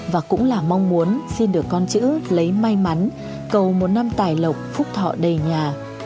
và cũng là mong muốn xin được con chữ lấy may mắn cầu một năm tài lộc phúc thọ đầy nhà